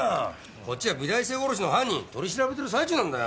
こっちは美大生殺しの犯人取り調べてる最中なんだよ。